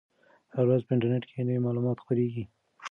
هره ورځ په انټرنیټ کې نوي معلومات خپریږي.